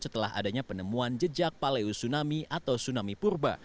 setelah adanya penemuan jejak paleosunami atau tsunami purba